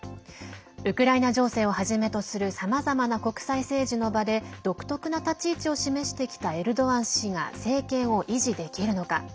ウクライナ情勢をはじめとするさまざまな国際政治の場で独特な立ち位置を示してきたエルドアン氏が政権を維持できるのか。